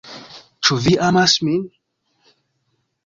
Ĉu vi amas min?